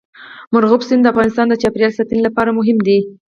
مورغاب سیند د افغانستان د چاپیریال ساتنې لپاره مهم دي.